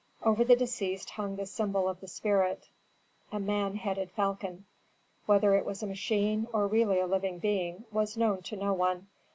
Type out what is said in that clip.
Over the deceased hung the symbol of the spirit, a man headed falcon. Whether it was a machine, or really a living being, was known to no one.